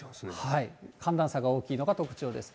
寒暖差が大きいのが特徴です。